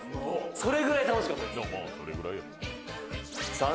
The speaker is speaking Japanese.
それぐらい楽しかったです。